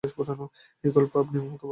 এই গল্প আপনি আমাকে বলেন।